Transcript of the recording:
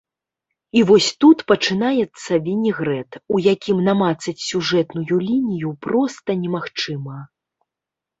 І вось тут пачынаецца вінегрэт, у якім намацаць сюжэтную лінію проста немагчыма.